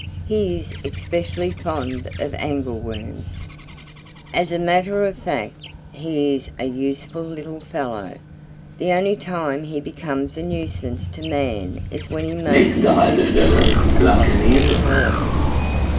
He is especially fond of Angleworms. "As a matter of fact, he is a useful little fellow. The only time he becomes a nuisance to man is when he makes his little ridges across smooth lawns.